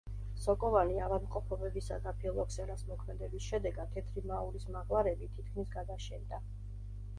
სოკოვანი ავადმყოფობებისა და ფილოქსერას მოქმედების შედეგად თეთრი მაურის მაღლარები თითქმის გადაშენდა.